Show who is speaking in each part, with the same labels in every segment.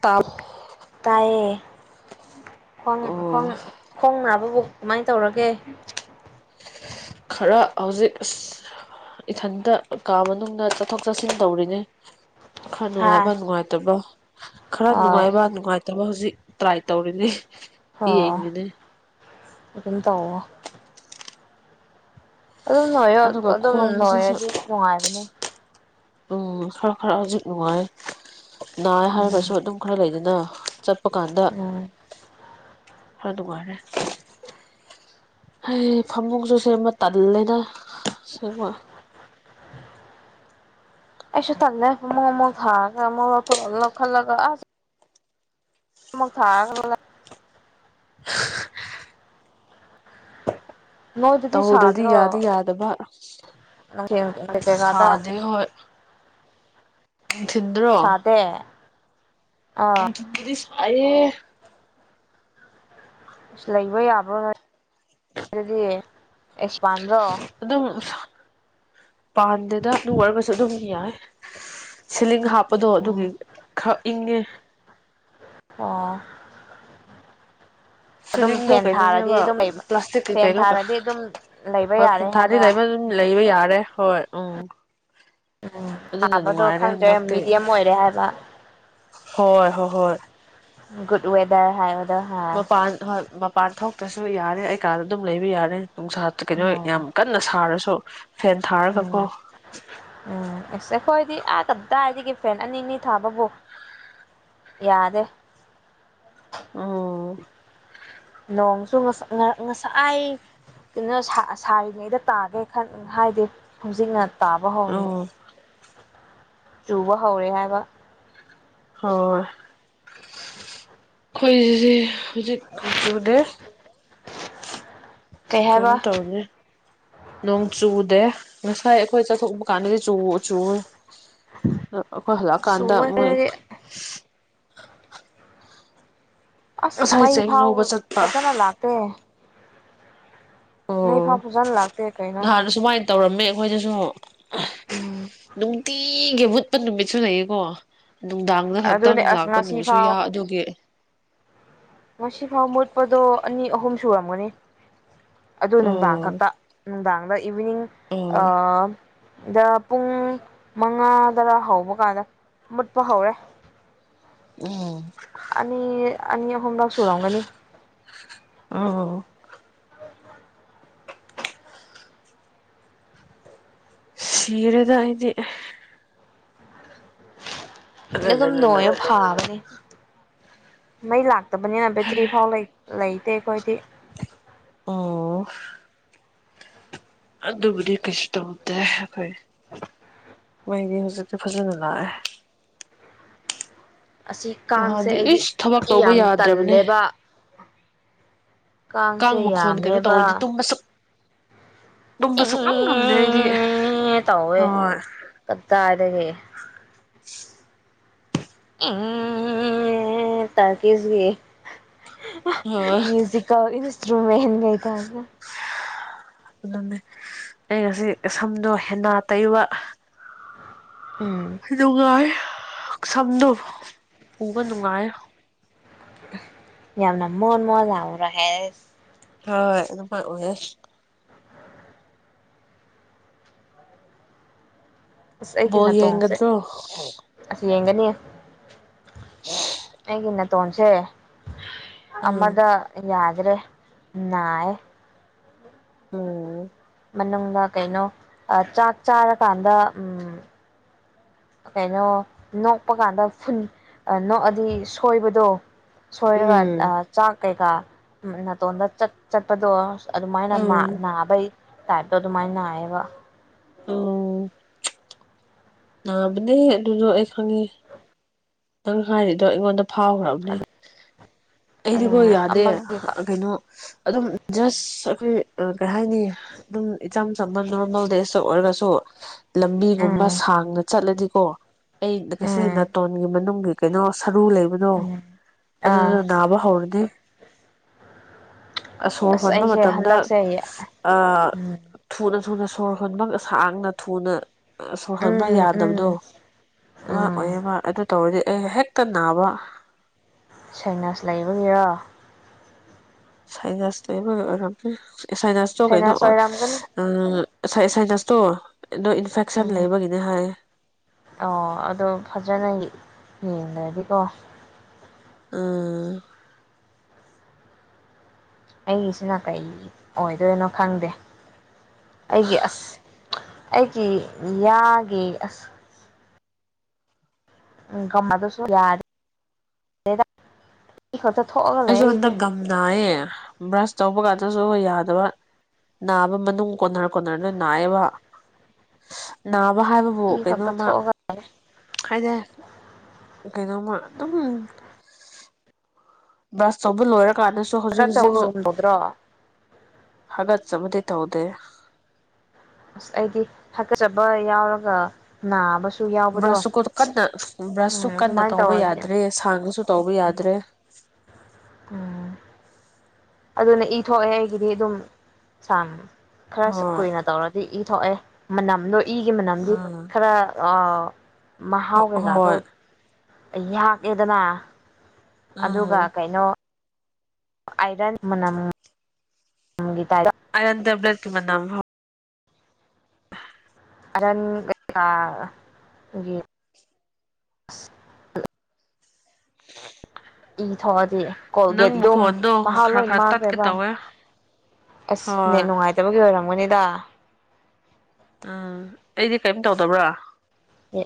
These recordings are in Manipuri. Speaker 1: ꯇꯥꯎ
Speaker 2: ꯇꯥꯏꯌꯦ ꯈꯣꯡ
Speaker 1: ꯑꯣ
Speaker 2: ꯈꯣꯡ ꯅꯥꯕꯕꯨ ꯀꯃꯥꯏꯅ ꯇꯧꯔꯒꯦ
Speaker 1: ꯈꯔ ꯍꯧꯖꯤꯛ ꯑꯁ ꯏꯊꯟꯇ ꯀꯥ ꯃꯅꯨꯡꯗ ꯆꯠꯊꯣꯛ ꯆꯠꯁꯤꯟ ꯇꯧꯔꯤꯅꯤ ꯈꯔ
Speaker 2: ꯍꯥ
Speaker 1: ꯅꯨꯡꯉꯥꯏꯕ ꯅꯨꯡꯉꯥꯏꯇꯕꯣ ꯈꯔ
Speaker 2: ꯍꯣꯏ
Speaker 1: ꯅꯨꯡꯉꯥꯏꯕ ꯅꯨꯡꯉꯥꯏꯇꯕ ꯍꯧꯖꯤꯛ ꯇ꯭ꯔꯥꯏ ꯇꯧꯔꯤꯔꯤ
Speaker 2: ꯑꯣ
Speaker 1: ꯌꯦꯅꯤꯡꯗ
Speaker 2: ꯑꯗꯨꯝ ꯇꯑꯣꯣ ꯑꯗꯨꯝ ꯂꯣꯏꯌꯣ
Speaker 1: ꯑꯗꯨꯒ
Speaker 2: ꯑꯗꯨꯝ
Speaker 1: ꯈ꯭ꯋꯥꯡꯁꯤꯁꯨ
Speaker 2: ꯂꯣꯏꯔꯗꯤ ꯅꯨꯡꯉꯥꯏꯕꯅꯦ
Speaker 1: ꯎꯝ ꯈꯔ ꯈꯔ ꯍꯧꯖꯤꯛ ꯅꯨꯡꯉꯥꯏ ꯅꯥ
Speaker 2: ꯎꯝ
Speaker 1: ꯍꯥꯏꯔꯒꯁꯨ ꯑꯗꯨꯝ ꯈꯔ ꯂꯩꯖ ꯗ ꯆꯞ ꯑꯣ ꯀꯥꯟꯗ
Speaker 2: ꯎꯝ
Speaker 1: ꯈꯔ ꯅꯨꯡꯉꯥꯏꯔꯦ ꯍ ꯐꯃꯨꯡꯁꯨ ꯁꯦꯝꯕ ꯇꯜꯂꯦꯅꯦꯡꯕ
Speaker 2: ꯑꯩꯦ ꯇ ꯃ ꯍ ꯀ ꯑꯃꯨꯛ ꯊꯥꯔꯒ ꯅꯣꯏꯗꯗꯤ
Speaker 1: ꯇꯧꯗ꯭ꯔꯗꯤ ꯌꯥꯗꯤ
Speaker 2: ꯁꯥꯗ꯭ꯔꯣꯊ
Speaker 1: ꯌꯥꯗꯕ
Speaker 2: ꯀꯩꯀꯥꯗ
Speaker 1: ꯁꯥꯗꯦ ꯊꯤꯟꯗ꯭ꯔꯣ
Speaker 2: ꯁꯥꯗꯦ ꯑꯥ
Speaker 1: ꯗꯤ ꯁꯥꯏꯌꯦ [unintelligible]
Speaker 2: ꯑ ꯂꯩꯕ ꯌꯥꯕ꯭ꯔꯣ ꯅꯗꯤ ꯑꯦꯛꯁꯄꯥꯟ
Speaker 1: ꯑꯗꯨꯝ ꯄꯥꯟꯗꯦꯗ ꯅ ꯑꯣꯏꯔꯒꯁꯨ ꯑꯗꯨꯝ ꯌꯥꯏ ꯁꯤꯂꯤꯡ ꯍꯥꯞꯄꯗꯣ ꯑꯗꯨꯒꯤ ꯈꯔ ꯏꯪꯉꯦ
Speaker 2: ꯑꯣ ꯑꯗꯨꯝ
Speaker 1: ꯁꯤꯂꯤꯡꯗꯣ
Speaker 2: ꯐꯦꯟ ꯊꯥꯔꯗꯤ
Speaker 1: ꯀꯩꯅꯣꯅꯦꯕ
Speaker 2: ꯑꯗꯨꯝ ꯂꯩꯕ
Speaker 1: ꯄ꯭ꯂꯥꯁꯇꯤꯛꯀꯤ
Speaker 2: ꯐꯦꯟ
Speaker 1: ꯀꯩꯅꯣ
Speaker 2: ꯊꯥꯔꯗꯤ ꯑꯗꯨꯝ ꯂꯩꯕ
Speaker 1: ꯍꯣꯏ
Speaker 2: ꯌꯥꯔꯦ
Speaker 1: ꯐꯤꯟꯊꯥꯗꯤ
Speaker 2: ꯍꯥꯏꯕ
Speaker 1: ꯂꯩꯕ ꯑꯗꯨꯝ ꯂꯩꯕ ꯌꯥꯔꯦ ꯍꯣꯏ ꯑꯣ
Speaker 2: ꯎꯝ ꯑꯥꯕꯗꯣ ꯈꯪꯗ꯭ꯔꯦ
Speaker 1: ꯍꯟꯗꯛꯇꯤ
Speaker 2: ꯃꯤꯦꯗꯤꯌꯝ ꯑꯣꯏꯔꯦ ꯍꯥꯏꯕ
Speaker 1: ꯍꯣꯏ ꯍꯣꯏ ꯍꯣꯏ
Speaker 2: ꯒꯨꯗ ꯋꯦꯗꯔ ꯍꯥꯏ
Speaker 1: ꯃꯄꯥꯟ ꯄꯥꯟꯊꯣꯛꯇ꯭ꯔꯁꯨ ꯌꯥꯔꯦ ꯑꯩ ꯀꯥꯟꯗ ꯑꯗꯨꯝ ꯂꯩꯕ ꯌꯥꯔꯦ ꯅꯨꯡꯁꯥ ꯀꯩꯅꯣ
Speaker 2: ꯎꯝ
Speaker 1: ꯌꯥꯝ ꯀꯟꯅ ꯁꯥꯔꯁꯨ ꯐꯦꯟ ꯊꯥꯔꯒꯀꯣ
Speaker 2: ꯎꯝ ꯎꯝꯁꯦ ꯍꯣꯏꯗꯤ ꯑ ꯀꯗꯥ ꯍꯥꯏꯗꯤ ꯐꯦꯟ ꯑꯅꯤ ꯑꯅꯤ ꯊꯥꯕꯕꯨ ꯌꯥꯗꯦ
Speaker 1: ꯑꯣ
Speaker 2: ꯅꯣꯡꯁꯨ ꯉꯁꯥꯏ ꯀꯩꯅꯣ ꯁꯥꯔꯤꯉꯩꯗ ꯇꯥꯒꯦ ꯍꯥꯏꯗꯤ ꯍꯧꯖꯤꯛꯅ ꯇꯥꯕ ꯍꯧꯋꯦ
Speaker 1: ꯎꯝ
Speaker 2: ꯂꯨꯕ ꯍꯧꯔꯦ ꯍꯥꯏꯕ
Speaker 1: ꯍꯣꯏ ꯑꯩꯈꯣꯏꯗꯤ ꯍꯧꯖꯤꯛ ꯆꯨꯗꯦ
Speaker 2: ꯀꯩ
Speaker 1: [unintelligible] ꯀꯩꯝ
Speaker 2: ꯍꯥꯏꯕ
Speaker 1: ꯇꯧꯅꯤ ꯅꯣꯡ ꯆꯨꯗꯦ ꯉꯁꯥꯏ ꯑꯩꯈꯣꯏ ꯆꯠꯊꯣꯛ ꯀꯥꯟꯅꯗꯤ ꯆ ꯆ ꯑꯩꯈꯣꯏ ꯍꯜꯂ
Speaker 2: ꯆꯨꯋꯦ
Speaker 1: ꯀꯥꯟꯗꯣꯏ
Speaker 2: ꯍꯥꯏꯗꯤ ꯑꯁ
Speaker 1: ꯉꯁꯥꯏ
Speaker 2: ꯃꯩ
Speaker 1: ꯆꯦꯡ
Speaker 2: ꯐꯥꯎ
Speaker 1: ꯂꯧꯕ ꯆꯠꯄ
Speaker 2: ꯐꯖꯅ ꯂꯥꯛꯇꯦ ꯅ
Speaker 1: ꯑꯣ
Speaker 2: ꯐꯥꯄꯖꯅ ꯂꯥꯛꯇ ꯀꯩꯅꯩꯅꯣ
Speaker 1: ꯅꯍꯥꯟ ꯑꯁꯨꯃꯥꯏꯅ ꯇꯧꯔꯝꯃꯦ ꯑꯩꯈꯣꯏꯗꯁꯨ
Speaker 2: ꯎꯝ
Speaker 1: ꯅꯨꯡꯗꯤ ꯏꯒꯦ ꯎꯠꯄꯠ ꯅꯨꯃꯤꯠꯁꯨ ꯂꯩꯌꯦꯀꯣ ꯅꯨꯡꯗꯥꯡꯗ ꯈꯛꯇꯪ
Speaker 2: ꯑꯗꯨꯅꯦ ꯑꯁ
Speaker 1: ꯂꯥꯛꯄ
Speaker 2: ꯉꯁꯤ
Speaker 1: ꯅꯨꯃꯤꯠꯁꯨ
Speaker 2: ꯐꯥꯎ
Speaker 1: ꯌꯥ ꯑꯗꯨꯒꯤ
Speaker 2: ꯉꯁꯤꯐꯥꯎ ꯃꯨꯠꯄꯗꯣ ꯑꯅꯤ ꯑꯍꯨꯝ ꯁꯨꯔꯝꯒꯅꯤ ꯑꯗꯨ ꯅꯨꯡꯗꯥꯡ
Speaker 1: ꯑꯣ
Speaker 2: ꯈꯛꯇ ꯅꯨꯡꯗꯥꯡ ꯏꯚꯅꯤꯡ
Speaker 1: ꯑꯣ
Speaker 2: ꯗ ꯄꯨꯡ ꯃꯉꯥ ꯇꯔꯥ ꯍꯧꯕ ꯀꯥꯟꯗ ꯃꯨꯠꯄ ꯍꯧꯔꯦ
Speaker 1: ꯑꯣ
Speaker 2: ꯑ ꯑ ꯍꯣꯝꯗꯥ ꯁꯣꯔꯥꯎꯒꯅꯤ
Speaker 1: ꯑꯣ ꯁꯤꯔꯗ ꯏꯗꯤ
Speaker 2: ꯑꯗꯨꯝ ꯂꯣ
Speaker 1: ꯑꯂꯂꯂꯂꯂ
Speaker 2: ꯐꯥꯕꯅꯦ ꯃꯩꯂ ꯇꯕꯅꯤꯅ ꯦꯆꯔꯤ ꯐꯥꯎ ꯂꯩ ꯂꯩꯇꯦ ꯑꯩꯣꯣꯏꯗꯤ
Speaker 1: ꯑꯣ ꯑꯗꯨꯕꯨꯗꯤ ꯀꯩꯁꯨ ꯇꯧꯗꯦ ꯑꯩꯈꯣꯏ ꯃꯩꯗꯤ ꯍꯧꯖꯤꯛꯇꯤ ꯐꯖꯅ ꯂꯥꯛꯑꯦ
Speaker 2: ꯑꯁꯤ ꯀꯥꯡꯁꯦ
Speaker 1: ꯅꯍꯥꯟꯗꯤ
Speaker 2: ꯑꯩꯗꯤ
Speaker 1: ꯏꯁ ꯊꯕꯛ ꯇꯧꯕ
Speaker 2: ꯌꯥꯝ
Speaker 1: ꯌꯥꯗ꯭ꯔꯕꯅꯦ
Speaker 2: ꯇꯜꯂꯦꯕ
Speaker 1: ꯀꯥꯡ
Speaker 2: ꯀꯥꯡꯁꯦ
Speaker 1: ꯃꯈꯣꯟ ꯀꯩꯅꯣ
Speaker 2: ꯌꯥꯝꯃꯦꯕ
Speaker 1: ꯇꯨꯝꯕꯁꯨ ꯉꯝ ꯉꯝꯗꯦ ꯑꯩꯗꯤ
Speaker 2: ꯇꯧꯋꯦ
Speaker 1: ꯍꯣꯏ
Speaker 2: ꯀꯗꯥꯏꯗꯒꯤ
Speaker 1: [unintelligible]
Speaker 2: ꯎꯝ ꯇꯔ ꯀꯁꯒ
Speaker 1: ꯍꯣꯏ
Speaker 2: ꯃ꯭ꯌꯨꯁꯤꯛ ꯏ ꯨꯝꯦꯟꯒꯩ ꯇ
Speaker 1: ꯑꯗꯨꯅꯦ ꯑꯩ ꯉꯁꯤ ꯁꯝꯗꯣ ꯍꯦꯟꯅ ꯇꯩꯕ
Speaker 2: ꯎꯝ
Speaker 1: ꯅꯨꯡꯉꯥꯏꯔꯤ ꯁꯝꯗꯨꯨ ꯎꯒ ꯅꯨꯡꯉꯥꯏ
Speaker 2: ꯌꯥꯝꯅ ꯃꯣꯟ ꯃꯣꯟ ꯂꯥꯎꯔ ꯍꯦꯁ
Speaker 1: ꯍꯣꯏ ꯑꯗꯨꯃꯥꯏ ꯑꯣꯏꯔꯁꯤ
Speaker 2: ꯑꯁ ꯑꯩꯒꯤ
Speaker 1: ꯣꯒꯤ
Speaker 2: ꯅꯥꯇꯣꯟꯁꯦ
Speaker 1: ꯍꯉꯗꯣ
Speaker 2: ꯑꯁ ꯌꯦꯡꯒꯅꯤ ꯑꯩꯒꯤ ꯅꯠ ꯇꯣꯟꯁꯦ
Speaker 1: ꯎꯝ
Speaker 2: ꯑꯝꯃꯗ ꯌꯥꯏ ꯗꯔ꯭ꯦ ꯅꯥꯏꯌꯦ
Speaker 1: ꯎꯝ
Speaker 2: ꯃꯅꯨꯡꯗ ꯀꯩꯅꯣ ꯆꯥꯛ ꯆꯥꯔꯀꯥꯟꯗ ꯎꯝ ꯀꯩꯅꯣ ꯅꯣꯛꯄ ꯀꯥꯟꯗ ꯐꯨꯟ ꯅꯣꯛꯑꯗꯤ ꯁꯣꯏꯕꯗꯣ ꯁꯣꯏꯔꯒꯗ
Speaker 1: ꯎꯝ
Speaker 2: ꯑ ꯆꯥꯛ ꯀꯩꯀꯥ ꯅꯥꯇꯣꯟꯗ ꯆꯠꯄꯗꯣ ꯑꯗꯨꯃꯥꯏꯅ
Speaker 1: ꯎꯝ
Speaker 2: ꯅꯥꯕꯩ ꯇꯥꯏꯞꯇꯣ ꯑꯗꯨꯃꯥꯏ ꯅꯥꯏꯑꯦꯕ
Speaker 1: ꯑꯣ ꯅꯥꯕꯅꯦ ꯑꯗꯨꯗꯣ ꯑꯩ ꯈꯪꯉꯦ ꯅꯪ ꯍꯥꯏꯔꯤꯗꯣ ꯑꯩꯉꯣꯟꯗ ꯐꯥꯎꯈ꯭ꯔꯕꯅꯦ ꯑꯩꯗꯤꯀꯣ
Speaker 2: ꯎꯝ
Speaker 1: ꯌꯥꯗꯦ
Speaker 2: ꯑꯃꯒꯤ
Speaker 1: ꯀꯩꯅꯣ ꯑꯗꯨꯝ ꯖꯁ ꯑꯩꯈꯣꯏ ꯀꯔꯤ ꯍꯥꯏꯅꯤ ꯑꯗꯨꯝ ꯏꯆꯝ ꯆꯝꯕ ꯅꯣꯔꯃꯦꯜ ꯗꯦꯁ ꯑꯣꯏꯔꯒꯁꯨ ꯂꯝꯕꯤꯒꯨꯝꯕ
Speaker 2: ꯎꯝ
Speaker 1: ꯁꯥꯡꯅ ꯆꯠꯂꯗꯤ ꯀꯣ ꯑꯩ ꯑꯁꯤ
Speaker 2: ꯎꯝ
Speaker 1: ꯅꯥꯇꯣꯟ ꯃꯅꯨꯡꯒꯤ ꯀꯩꯅꯣ ꯁꯔꯨ ꯂꯩꯕꯗꯣ
Speaker 2: ꯎꯝ
Speaker 1: ꯑꯗꯨꯗꯨꯅ
Speaker 2: ꯑꯥ
Speaker 1: ꯅꯥꯕ ꯍꯧꯔꯅꯤ ꯑꯁꯣꯔ
Speaker 2: ꯑꯁ
Speaker 1: ꯍꯣꯟꯕ
Speaker 2: ꯑꯩꯁꯦ
Speaker 1: ꯃꯇꯝꯗ
Speaker 2: ꯍꯟꯗꯛꯁꯦ
Speaker 1: ꯑ
Speaker 2: ꯎꯝ
Speaker 1: ꯊꯨꯅ ꯊꯨꯅ ꯁꯣꯔ ꯍꯣꯟꯕ ꯁꯥꯡꯅ ꯊꯨꯅ ꯁꯣꯔꯍꯟꯕ
Speaker 2: ꯎꯝ ꯎꯝ
Speaker 1: ꯌꯥꯗꯕꯗꯣ ꯑ
Speaker 2: ꯎꯝ
Speaker 1: ꯑꯣꯏꯌꯦꯕ ꯑꯗꯨ ꯗꯨ ꯇꯧꯔꯗꯤ ꯑꯦ ꯍꯦꯛꯇ ꯅꯥꯕ
Speaker 2: ꯁꯥꯏꯅꯁ ꯂꯩꯕꯒꯤꯔꯣ
Speaker 1: ꯁꯥꯏꯅꯁ ꯂꯩꯕꯒꯤ ꯑꯣꯏꯔꯝꯃꯦ ꯁꯥꯏꯅꯁꯇꯣ ꯀꯩꯅꯣ
Speaker 2: ꯁꯥꯏꯅꯥꯁ ꯑꯣꯏꯔꯝꯒꯅꯤ
Speaker 1: ꯁꯥꯏ ꯁꯥꯏꯅꯁꯇꯣ ꯅꯣ ꯏꯟꯐꯦꯛꯁꯟ
Speaker 2: ꯎꯝ
Speaker 1: ꯂꯩꯕꯒꯤꯅꯦ ꯍꯥꯏꯌꯦ
Speaker 2: ꯑꯣ ꯑꯗꯣ ꯐꯖꯅ ꯌꯦꯡꯗꯗꯤꯀꯣ
Speaker 1: ꯑꯥ
Speaker 2: ꯑꯩꯒꯤꯁꯤꯅ ꯀꯩ ꯑꯣꯏꯗꯣꯏꯅꯣ ꯈꯪꯗꯦ ꯑꯩꯒꯤ ꯑꯁ ꯑꯩꯒꯤ ꯌꯥꯒꯤ ꯑꯁ ꯀꯃꯗꯁꯨ ꯌꯥꯔ
Speaker 1: ꯑꯁꯨꯣꯟꯗ ꯒꯝꯗꯥꯑꯌꯦ ꯕ꯭ꯔꯁ ꯇꯧꯕ ꯀꯥꯟꯗꯁꯨ ꯌꯥꯗꯕ ꯅꯥꯕ ꯃꯅꯨꯡ ꯀꯣꯟꯅꯔ ꯀꯣꯟꯅꯔꯗ ꯅꯥꯑꯦꯕ ꯅꯥꯕ ꯍꯥꯏꯕꯕꯨ
Speaker 2: ꯏ ꯈꯛꯇ
Speaker 1: ꯀꯩꯅꯣꯝꯃ
Speaker 2: ꯊꯣꯛꯑꯒ
Speaker 1: ꯍꯥꯏꯗ ꯀꯩꯅꯩꯅꯣꯝ ꯑꯗꯨꯝ ꯁ ꯁꯕꯨ ꯂꯣꯏꯔ
Speaker 2: ꯆꯀꯥ ꯆ ꯍꯒ ꯎꯕꯣꯗ꯭ꯔꯣ
Speaker 1: ꯍꯥꯏꯗ ꯆ ꯃꯗꯤ ꯇ ꯍꯗꯦ
Speaker 2: ꯑꯁ ꯑꯩꯗꯤ ꯍꯥꯀꯠꯆꯕ ꯌꯥꯎꯔꯒ ꯅꯥꯕꯁꯨ ꯌꯥꯎꯕꯗꯣ
Speaker 1: ꯕ꯭ꯔꯁꯇꯨ ꯀꯟꯅ ꯕ꯭ꯔꯁꯁꯨꯨ
Speaker 2: ꯎꯝ
Speaker 1: ꯀꯟꯅ
Speaker 2: ꯑꯗꯨꯃꯥꯏꯅ
Speaker 1: ꯇꯧꯕ
Speaker 2: ꯇꯧꯔꯗꯤ
Speaker 1: ꯌꯥꯗ꯭ꯔꯦ ꯁꯥꯡꯉꯁꯨ ꯇꯧꯕ ꯌꯥꯗ꯭ꯔꯦ
Speaker 2: ꯑꯣ ꯑꯗꯨꯅ ꯏ ꯊꯣꯛꯑꯦ ꯑꯩꯒꯤꯗꯤ ꯑꯗꯨꯝ ꯁꯝ ꯈꯔ
Speaker 1: ꯍꯣꯏ
Speaker 2: ꯀꯨꯏꯅ ꯇꯧꯔꯗꯤ ꯏ ꯊꯣꯛꯑꯦ ꯃꯅꯅ ꯏꯒꯤ ꯃꯅꯝꯗꯤ
Speaker 1: ꯎꯝ
Speaker 2: ꯈꯔ ꯑꯥ ꯃꯍꯍꯥꯎꯥꯎꯒꯦꯒꯗ
Speaker 1: ꯍꯣꯏ
Speaker 2: ꯑꯩꯍꯥꯛꯑꯦꯗꯅ
Speaker 1: ꯎꯝ
Speaker 2: ꯑꯗꯨꯒ ꯀꯩꯅꯣ ꯑꯥꯏꯔꯟ ꯃꯝ ꯍꯪꯦ
Speaker 1: ꯑꯟ꯭ꯂ ꯃ ꯅꯥꯎ
Speaker 2: ꯑꯔꯟꯒꯤ ꯏ ꯊꯣꯛꯗꯦ
Speaker 1: ꯅꯪ
Speaker 2: ꯀꯣꯜꯒꯦꯠ ꯑꯗꯨꯝ
Speaker 1: ꯃꯈꯣꯟꯗꯣ
Speaker 2: ꯃꯍꯥꯎ
Speaker 1: ꯈꯔ
Speaker 2: ꯂꯣꯏ
Speaker 1: ꯈꯔ ꯇꯠꯀꯦ
Speaker 2: ꯃꯥꯡꯈ꯭ꯔꯦꯕ
Speaker 1: ꯇꯧꯋꯦ
Speaker 2: ꯑꯁ ꯅꯦ
Speaker 1: ꯍꯣꯏ
Speaker 2: ꯅꯨꯡꯉꯥꯏꯇꯕꯒꯤ ꯑꯣꯏꯔꯝꯒꯅꯤꯗ
Speaker 1: ꯎꯝ ꯑꯩꯗꯤ ꯀꯔꯤꯝ ꯇꯧꯗꯕ꯭ꯔꯥ
Speaker 2: ꯑꯦ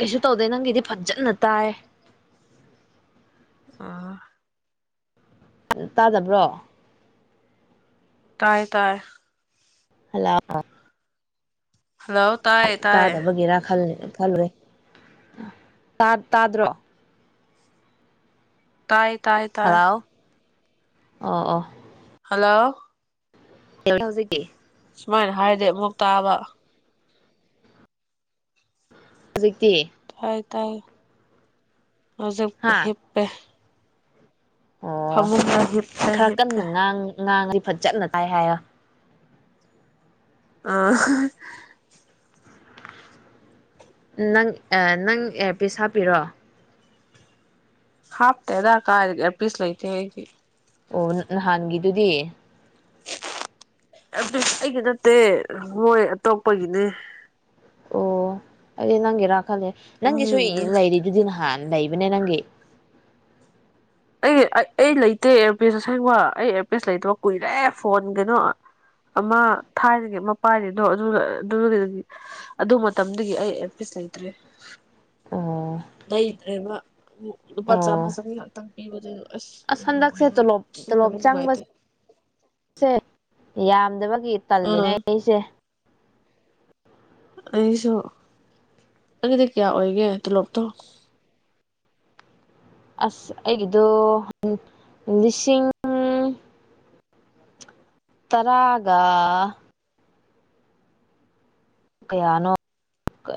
Speaker 2: ꯀꯩꯁꯨ ꯇꯧꯗꯦ ꯅꯪꯒꯤꯗꯤ ꯐꯖꯟꯅ ꯇꯥꯏ
Speaker 1: ꯑ
Speaker 2: ꯇꯥꯗꯕ꯭ꯔꯣ
Speaker 1: ꯇꯥꯏ ꯇꯥꯏ
Speaker 2: ꯍꯜꯂꯥꯎ
Speaker 1: ꯍꯜꯂꯣ ꯇꯥꯏ ꯇꯥꯏ
Speaker 2: ꯇꯥꯗꯕꯒꯦꯔꯥ ꯈꯜꯅꯦ ꯈꯜꯦ ꯇꯥꯗ꯭ꯔꯣ
Speaker 1: ꯇꯥꯏ ꯇꯥꯏ ꯇꯥꯏ
Speaker 2: ꯑꯥ ꯑꯥ
Speaker 1: ꯍꯜꯂꯣ
Speaker 2: ꯑꯦ ꯍꯧꯖꯤꯦ ꯀ
Speaker 1: ꯁꯨꯃꯥꯏꯅ ꯍꯥꯏꯔꯗꯤ ꯑꯃꯨꯛ ꯇꯥꯕ
Speaker 2: ꯍꯧꯖꯤꯛꯇꯤ
Speaker 1: ꯇ ꯇꯥꯏ ꯍꯧꯖꯤ
Speaker 2: ꯍꯥ
Speaker 1: ꯍꯦꯞꯄꯦ
Speaker 2: ꯑꯣ
Speaker 1: ꯐꯃꯨꯡꯗ ꯍꯦꯞꯇ ꯍꯞꯄꯦ
Speaker 2: ꯉꯥꯡꯁꯤ ꯐꯠ ꯆꯠꯅ ꯇꯥꯏ ꯍꯥꯏꯔ
Speaker 1: ꯑꯥ
Speaker 2: ꯅꯪ ꯅꯪ ꯄꯤꯁ ꯍꯥꯞꯄꯤꯔꯣ
Speaker 1: ꯍꯥꯞꯇꯗꯥꯛ ꯀꯥ ꯑꯦꯔ ꯄꯤꯁ ꯂꯥꯏꯇ ꯍꯦꯒꯤ
Speaker 2: ꯑꯣ ꯅꯍꯥꯟꯒꯤꯗꯨꯗꯤ
Speaker 1: ꯑꯗꯨ ꯑꯩꯒꯤ ꯅꯠꯇꯦ ꯃꯣꯏ ꯑꯇꯣꯞꯄꯒꯤꯅꯦ
Speaker 2: ꯑꯣ ꯑ ꯅꯪ ꯏꯔ ꯈꯜꯂꯦ ꯅꯪꯒꯤ ꯁ
Speaker 1: ꯃꯤꯒꯤꯅꯦ
Speaker 2: ꯂꯩꯔꯤꯗꯨꯗꯤ ꯅꯍꯥꯟ ꯂꯩ ꯏꯕꯅꯦ ꯅꯪꯒꯦ
Speaker 1: ꯑꯩ ꯑꯩ ꯑꯩ ꯂꯩꯇꯦ ꯑꯦꯌꯥꯔꯄꯤꯁ ꯑꯁꯦꯡꯕ ꯑꯩ ꯏꯌꯥꯔꯄꯤꯁ ꯂꯩꯇꯕ ꯀꯨꯏꯔꯦ ꯐꯣꯟ ꯀꯩꯅꯣ ꯑꯃ ꯊꯥꯏꯔꯤꯒꯤ ꯑꯃ ꯄꯥꯏꯔꯤꯗꯣ ꯑꯗꯨ ꯑꯗꯨ ꯃꯇꯝꯗꯨꯗꯒꯤ ꯑꯩ ꯏꯌꯥꯔꯄꯤꯁ ꯂꯩꯇ꯭ꯔꯦ
Speaker 2: ꯑꯣ
Speaker 1: ꯂꯩꯗ꯭ꯔꯦꯕ ꯂꯨꯄꯥ ꯆꯥꯝꯃ
Speaker 2: ꯑꯣ
Speaker 1: ꯆ ꯇꯪ ꯄꯄꯤꯕꯗꯨꯅ
Speaker 2: ꯑꯁ ꯍꯟꯗꯛꯁꯦ
Speaker 1: ꯑꯅꯨꯡꯃꯥꯏꯅ
Speaker 2: ꯇꯣꯂꯣꯞ
Speaker 1: ꯁꯤ
Speaker 2: ꯇꯣꯂꯣꯞ
Speaker 1: ꯅꯃꯤ
Speaker 2: ꯆꯪꯕꯁꯦ
Speaker 1: ꯅꯨꯡꯃꯥꯏꯇ
Speaker 2: ꯌꯥꯝꯗꯃꯛ ꯒꯤ ꯇꯜꯂꯤꯅꯦ ꯑꯩ ꯑꯩꯁꯦ
Speaker 1: ꯑꯩꯁꯨ ꯑꯩꯒꯤꯗꯤ ꯀꯌꯥ ꯑꯣꯏꯒꯦ ꯇꯣꯂꯣꯞꯇꯣ
Speaker 2: ꯑꯁ ꯑꯩꯒꯤꯗꯣ ꯂꯤꯁꯤꯡ ꯇꯔꯥꯒ ꯀꯌꯥꯅꯣ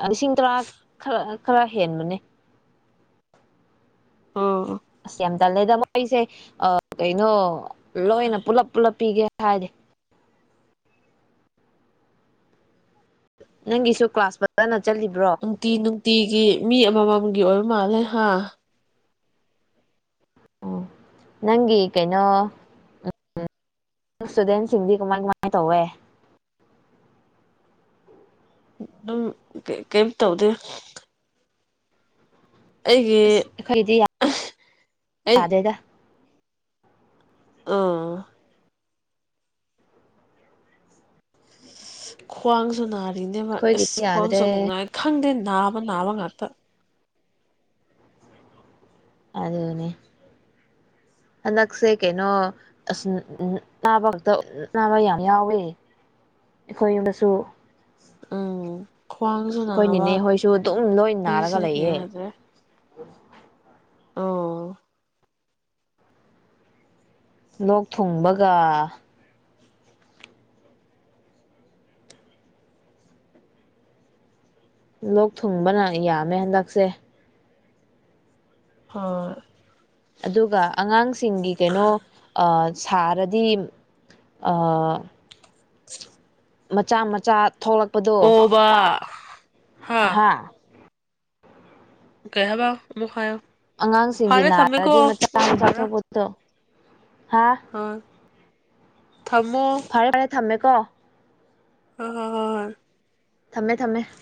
Speaker 2: ꯂꯤꯁꯤꯡ ꯇꯔꯥ ꯈꯔ ꯈꯔ ꯍꯦꯟꯕꯅꯦ
Speaker 1: ꯑꯣ
Speaker 2: ꯑꯁ ꯁꯦꯝꯗꯜꯂꯦꯗ ꯃꯣꯏꯁꯦ ꯀꯩꯅꯣ ꯂꯣꯏꯅ ꯄꯨꯂꯞ ꯄꯨꯂꯞ ꯄꯤꯒꯦ ꯍꯥꯏꯗꯤ ꯅꯪ ꯏꯁꯁꯨ ꯀ ꯀ꯭ꯂꯥꯁ ꯅ
Speaker 1: ꯅꯨꯡꯇꯤ ꯅꯨꯡꯇꯤꯒꯤ ꯃꯤ ꯑꯃꯃꯝꯒꯤ ꯑꯣꯏꯕ ꯃꯥꯜꯂꯦ ꯍꯥ
Speaker 2: ꯑꯣ ꯅꯪꯒꯤ ꯀꯩꯅꯣ ꯏꯁꯇꯨꯗꯦꯟꯁꯤꯡꯗꯤ ꯀꯃꯥꯏ ꯀꯃꯥꯏꯅ ꯇꯧꯋꯦ
Speaker 1: ꯑꯗꯨꯝ ꯀꯩꯝ ꯇꯧꯗꯦ ꯑꯩꯒꯤ
Speaker 2: ꯑꯁ ꯑꯩꯈꯣꯏꯒꯤꯗꯤ
Speaker 1: ꯑꯩ
Speaker 2: ꯌꯥꯗꯦꯗ
Speaker 1: ꯑꯥ ꯈ꯭ꯋꯥꯡ ꯁꯨꯅꯔ ꯅꯦꯕ
Speaker 2: ꯑꯩꯈꯣꯏꯒꯤꯗꯤ
Speaker 1: ꯑꯁ ꯀ꯭ꯋꯥꯡꯁꯨ
Speaker 2: ꯌꯥꯗ꯭ꯔꯦ
Speaker 1: ꯑꯃꯨꯛ ꯅꯥꯔ ꯈꯪꯗꯦꯅꯦ ꯅꯥꯃ ꯅꯥꯃ ꯉꯔꯇ
Speaker 2: ꯑꯗꯨꯅꯦ ꯍꯟꯗꯛꯁꯦ ꯀꯩꯅꯣ ꯑꯁ ꯅꯥꯕ ꯈꯛꯇ ꯅꯥꯕ ꯌꯥꯝ ꯌꯥꯎꯋꯦ ꯑꯩꯈꯣꯏ ꯌ ꯃꯁꯨ
Speaker 1: ꯎꯝ ꯈ꯭ꯋꯥꯡꯁꯨ ꯅꯥꯕ
Speaker 2: ꯑꯩꯈꯣꯏꯅꯤꯅꯦ ꯍꯣꯏꯁꯨ ꯑꯗꯨꯝ ꯂꯣꯏ ꯅꯥꯔꯒ
Speaker 1: ꯑꯩꯁꯦ
Speaker 2: ꯂꯩꯌꯦ
Speaker 1: ꯌꯥꯗ꯭ꯔꯦ
Speaker 2: ꯑ
Speaker 1: ꯑꯣ
Speaker 2: ꯂꯣꯛ ꯊꯨꯡꯕꯒ ꯂꯣꯛ ꯊꯨꯡꯕꯅ ꯌꯥꯝꯃꯦ ꯍꯟꯗꯛꯁꯦ
Speaker 1: ꯍ
Speaker 2: ꯑꯗꯨꯒ ꯑꯉꯥꯡ ꯁꯤꯡꯒꯤ ꯀꯩꯅꯩꯅꯣ ꯑ ꯁꯥꯔꯗꯤ ꯃꯆꯥ ꯃꯆꯥ ꯊꯣꯛꯂꯛꯄꯗꯣ
Speaker 1: ꯑꯣꯕ ꯍꯥ
Speaker 2: ꯍꯥꯥ
Speaker 1: ꯀꯌꯥꯕꯥꯎ ꯃꯈꯥꯣ
Speaker 2: ꯑꯉꯥꯡꯁꯤꯡꯒꯤ ꯅꯥꯔꯗꯤ ꯃꯆꯥ
Speaker 1: ꯐꯔꯦ
Speaker 2: ꯑꯃꯆꯥꯥꯊꯣꯛꯄꯗꯣ ꯍꯥꯥ
Speaker 1: ꯍꯣꯏ ꯊꯝꯃꯣ
Speaker 2: ꯐꯔꯦ ꯐꯔꯦ ꯊꯃꯦ ꯀ
Speaker 1: ꯍꯣꯏ ꯍꯣꯏ ꯍꯣꯏ ꯍꯣꯏ
Speaker 2: ꯊꯝꯃꯦ ꯊꯝꯃꯦ [unintelligible]